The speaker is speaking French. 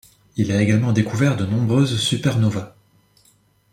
Il a également découvert de nombreuses supernovas.